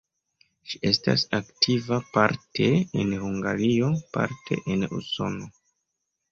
Ŝi estas aktiva parte en Hungario, parte en Usono.